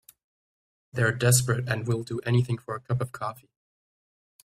They're desperate and will do anything for a cup of coffee.